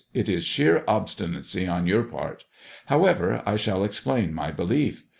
It is sheer obstinacy on your part. However, I shall explain my belief.